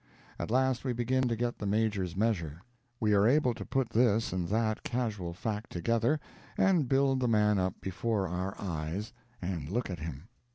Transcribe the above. At last we begin to get the Major's measure. We are able to put this and that casual fact together, and build the man up before our eyes, and look at him.